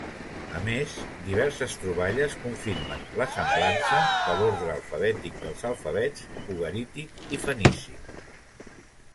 A més, diverses troballes confirmen la semblança de l'ordre alfabètic dels alfabets ugarític i fenici.